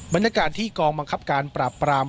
บรรยากาศที่กองบังคับการปราบปราม